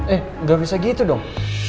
eh nggak bisa gitu dong